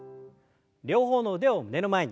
両方の腕を胸の前に。